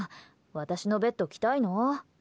私のベッド来たいの？